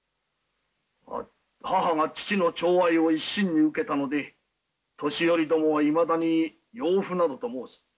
母が父のちょう愛を一身に受けたので年寄りどもはいまだに妖婦などと申す。